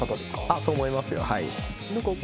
あっと思いますよ